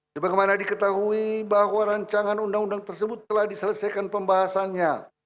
sebagaimana diketahui bahwa rancangan undang undang tersebut telah diselesaikan pembahasannya